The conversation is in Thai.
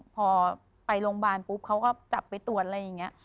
พอไปโรงพยาบาลปุ๊บเขาก็จับไปตรวจอะไรอย่างนี้